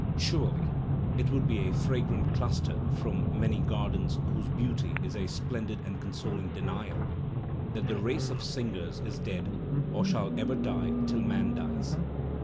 Surely it would be a fragrant cluster from many gardens whose beauty is a splendid and consoling denial that the race of singers is dead or shall ever die till man dies.